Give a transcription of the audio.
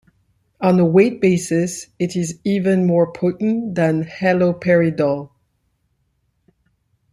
On a weight basis it is even more potent than haloperidol.